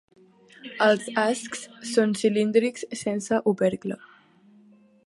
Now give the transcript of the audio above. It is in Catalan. Els ascs són cilíndrics sense opercle.